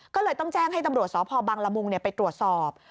ก็เลยต้องแจ้งให้ตำรวจสพบังละมุงไปตรวจสอบ